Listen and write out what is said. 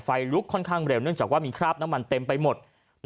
ไฟลุกค่อนข้างเร็วเนื่องจากว่ามีคราบน้ำมันเต็มไปหมด